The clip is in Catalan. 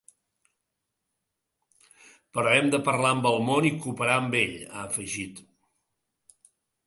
Però hem de parlar amb el món i cooperar amb ell, ha afegit.